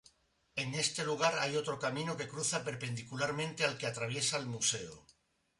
En este lugar hay otro camino que cruza perpendicularmente al que atraviesa el museo.